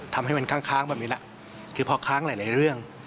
ทำให้มันค้างก็เป็นผมนิดหนึ่งนะคือพอค้างหลายเรื่อง